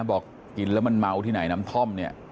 บอกกินแล้วมันเมาที่ไหนน้ำท่อมเนี่ย